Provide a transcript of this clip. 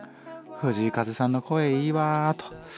「藤井風さんの声いいわ」と。